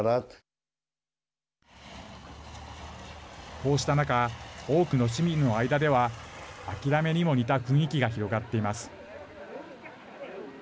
こうした中多くの市民の間では諦めにも似た雰囲気が広がっています。